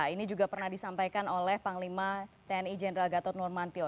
ini juga pernah disampaikan oleh panglima tni jenderal gatot nurmantio